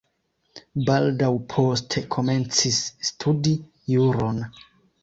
Baldaŭ poste komencis studi juron.